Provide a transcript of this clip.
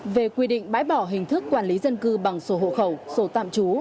về quy định bãi bỏ hình thức quản lý dân cư bằng sổ hộ khẩu sổ tạm trú